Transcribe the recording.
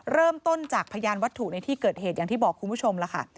เริ่มต้นจากพยานวัตถุในที่เกิดเหตุอย่างที่บอกคุณผู้ชมล่ะค่ะ